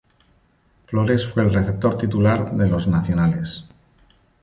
Flores fue el receptor titular de los Nacionales.